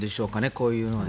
こういうのを。